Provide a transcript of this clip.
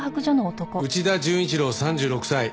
内田潤一郎３６歳。